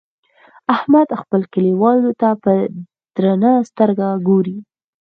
احمد خپلو کليوالو ته په درنه سترګه ګوري.